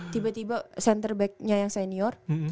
tiba tiba centerbacknya yang senior